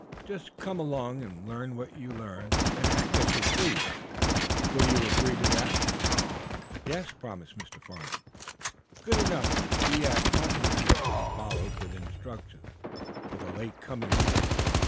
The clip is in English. Just come along and learn what you learn, then act as you please. Will you agree to that?" "Yes," promised Mr. Farnum. "Good enough. Then be at " Broughton Emerson followed with directions for late the coming evening.